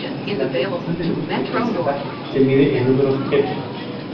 La reducción de luz que presentan se mide en números "f".